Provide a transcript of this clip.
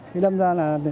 cứ đâm ra là